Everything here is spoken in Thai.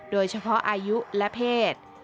โดยเฉพาะอายุและเพศ